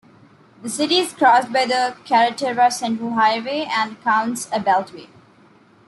The city is crossed by the Carretera Central highway and counts a beltway.